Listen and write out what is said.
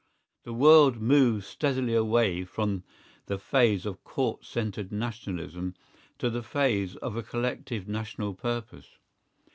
The world moves steadily away from the phase of Court centred nationalism to the phase of a collective national purpose.